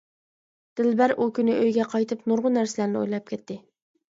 دىلبەر ئۇ كۈنى ئۆيگە قايتىپ نۇرغۇن نەرسىلەرنى ئويلاپ كەتتى.